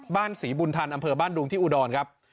บ้านศรีบุณฑันอำเภอบ้านดุงที่อุดอนครับ